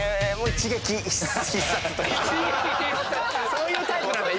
そういうタイプなんだ。